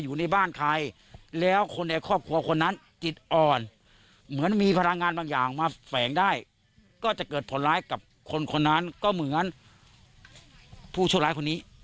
ผู้โชคร้ายคนนี้